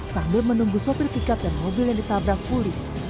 sambil menunggu sopir pickup dan mobil yang ditabrak pulih